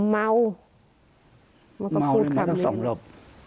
อะเมาแล้วเนี่ยต้องสองรอบ